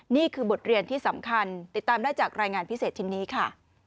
นี่คือบทเรียนที่สำคัญติดตามได้จากรายงานพิเศษชิ้นนี้ค่ะ